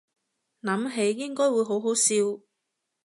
諗起應該會好好笑